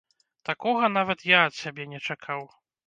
Такога нават я ад сябе не чакаў!